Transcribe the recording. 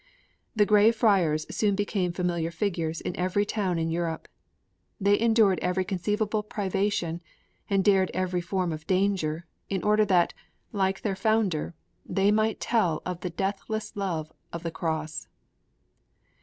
The grey friars soon became familiar figures in every town in Europe. They endured every conceivable privation and dared every form of danger in order that, like their founder, they might tell of the deathless love of the Cross.